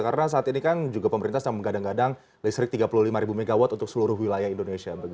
karena saat ini kan juga pemerintah sedang menggadang gadang listrik tiga puluh lima ribu mw untuk seluruh wilayah indonesia